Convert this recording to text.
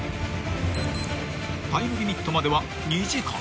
［タイムリミットまでは２時間］